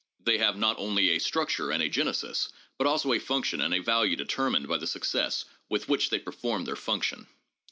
They have not only a structure and a genesis, but also a function and a value determined by the success with which they perform their function.